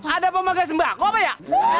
ada pemagas mbakko apa ya